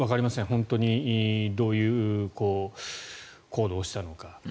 本当にどういう行動をしたのか。